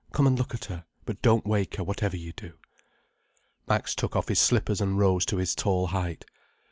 "Come and look at her. But don't wake her, whatever you do." Max took off his slippers and rose to his tall height.